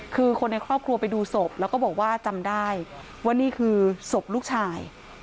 คือคนในครอบครัวไปดูศพแล้วก็บอกว่าจำได้ว่านี่คือศพลูกชาย